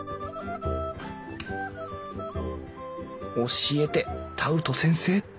教えてタウト先生！